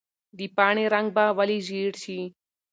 د پاڼې رنګ به ولې ژېړ شي؟